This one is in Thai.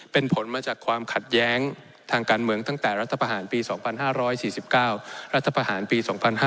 เป็นผลมาจากความขัดแย้งทางการเมืองตั้งแต่รัฐประหารปี๒๕๔๙รัฐประหารปี๒๕๕๙